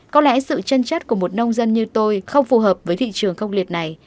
có lẽ sự chân chất của một nông dân như tôi không phù hợp với thị trường khốc liệt này